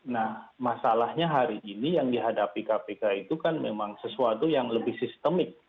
nah masalahnya hari ini yang dihadapi kpk itu kan memang sesuatu yang lebih sistemik